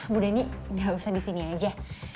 bu dhani gak usah di sini aja